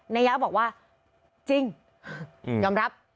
นายะบอกว่าจริงยอมรับ